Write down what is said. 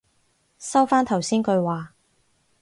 收返頭先句話